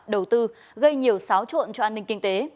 đầu tư gây nhiều xáo trộn cho an ninh kinh tế